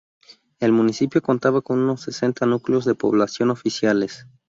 El municipio contaba con unos sesenta núcleos de población oficiales.